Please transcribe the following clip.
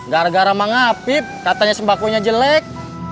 gargara mas ngapip katanya sembako nya jelek